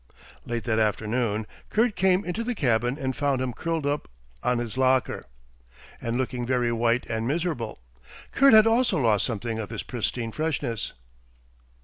Late that afternoon Kurt came into the cabin and found him curled up on his locker, and looking very white and miserable. Kurt had also lost something of his pristine freshness.